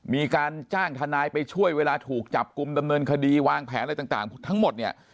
มีการจ้างทนายไปช่วยเวลาถูกจับกลุ่มดำเนินคดีวางแผนอะไรต่างทั้งหมดเนี่ย